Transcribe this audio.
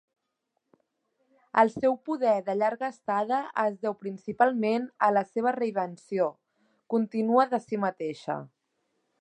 El seu poder de llarga estada es deu principalment a la seva re-invenció contínua de si mateixa.